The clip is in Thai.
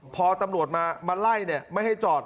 พอตำรวจมาไล่ไม่ให้จอด